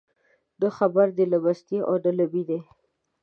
نه خبر دي له مستۍ او نه له مینې